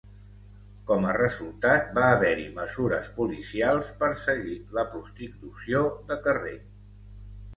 Com a resultat, va haver-hi mesures policials per seguir la prostitució de carrer.